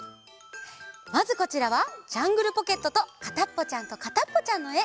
まずこちらは「ジャングルポケット」と「かたっぽちゃんとかたっぽちゃん」のえ。